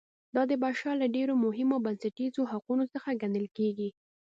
دا د بشر له ډېرو مهمو او بنسټیزو حقونو څخه ګڼل کیږي.